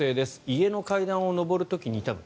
家の階段を上る時に痛む。